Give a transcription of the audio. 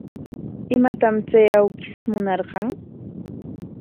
¿Imatam chay awkish munarqan?